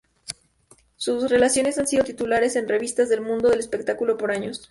Sus relaciones han sido titulares en revistas del mundo del espectáculo por años.